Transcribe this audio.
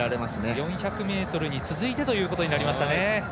４００ｍに続いてということになりました。